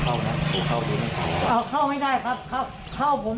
จะพาคุณผู้ชมไปดูบรรยากาศตอนที่เจ้าหน้าที่เข้าไปในบ้าน